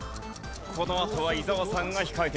このあとは伊沢さんが控えている。